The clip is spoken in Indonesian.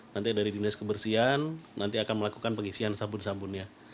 nanti dari dinas kebersihan nanti akan melakukan pengisian sabun sabunnya